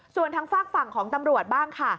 ส่วนทางฝากฝั่งของตำรวจบ้างค่ะ